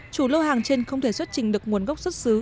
chủ lô hàng trên không thể xuất trình được nguồn gốc xuất xứ